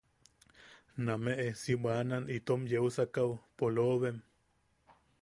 Nameʼe si bwanan itom yeu sakaʼu. ¡Poloobem!